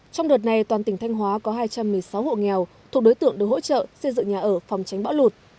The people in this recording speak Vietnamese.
trong đợt này toàn tỉnh thanh hóa có hai trăm một mươi sáu hộ nghèo thuộc đối tượng được hỗ trợ xây dựng nhà ở phòng tránh bão lụt